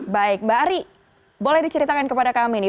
baik mbak ari boleh diceritakan kepada kami nih